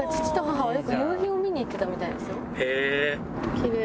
きれい。